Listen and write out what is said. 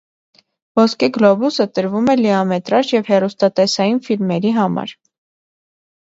«Ոսկե գլոբուսը» տրվում է լիամետրաժ և հեռուստատեսային ֆիլմերի համար։